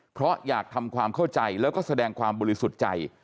เพราะอยากทำความเข้าใจแล้วก็แสดงความบริสุทธิ์ใจ